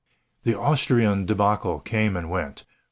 The Austrian debacle came and went.